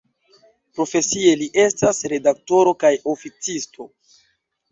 Profesie li estas redaktoro kaj oficisto.